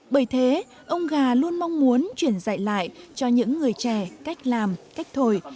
bởi thế ông gà luôn mong muốn truyền dạy lại cho những người trẻ cách làm cách thổi